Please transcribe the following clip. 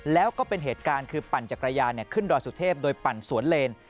แล้วก็เป็นเหตุการณ์คือปั่นจักรยานขึ้นดอยสุเทพโดยปั่นสวนเลน